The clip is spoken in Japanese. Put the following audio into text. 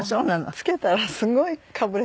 着けたらすごいかぶれてですね。